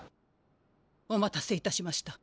お待たせいたしました